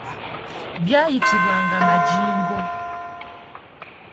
Byayitibwanga majingo.